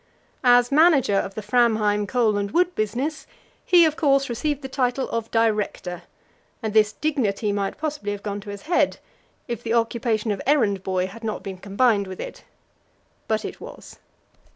As manager of the Framheim coal and wood business, he, of course, received the title of Director, and this dignity might possibly have gone to his head if the occupation of errand boy had not been combined with it. But it was.